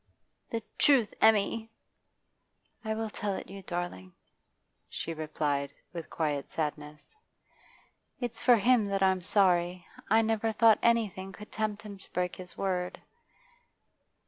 'The truth, Emmy!' 'I will tell it you, darling,' she replied, with quiet sadness. 'It's for him that I'm sorry. I never thought anything could tempt him to break his word.